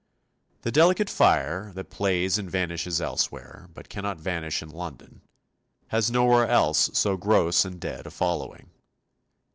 The delicate fire, that plays and vanishes elsewhere, but cannot vanish in London, has nowhere else so gross and dead a following.